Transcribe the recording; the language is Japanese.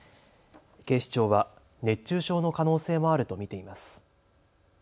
警視庁は熱中症の可能性もあると見ています。